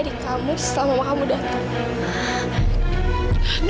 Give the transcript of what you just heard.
di kamu selama mamamu datang